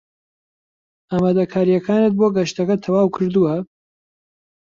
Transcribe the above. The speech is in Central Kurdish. ئامادەکارییەکانت بۆ گەشتەکە تەواو کردووە؟